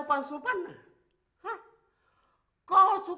kau suka kalau perempuan gelap gelap seperti anak perempuan gelap gelap